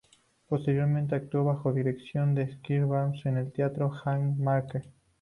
Posteriormente actuó bajo dirección de Squire Bancroft en el Teatro Haymarket.